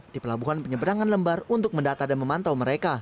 di pelabuhan penyeberangan lembar untuk mendata dan memantau mereka